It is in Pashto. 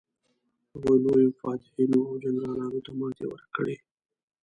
هغوی لویو فاتحینو او جنرالانو ته ماتې ورکړې.